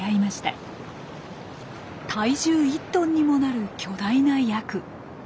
体重１トンにもなる巨大なヤク。